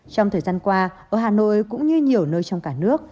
trong thời gian qua ở hà nội cũng như nhiều nơi trong cả nước